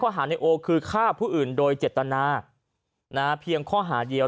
หาในโอคือฆ่าผู้อื่นโดยเจตนาเพียงข้อหาเดียว